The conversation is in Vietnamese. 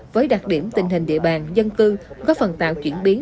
với đặc điểm tình hình địa bàn dân cư góp phần tạo chuyển biến